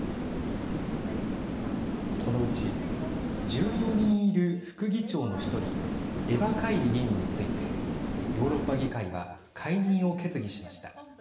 このうち１４人いる副議長の１人エバ・カイリ議員についてヨーロッパ議会は解任を決議しました。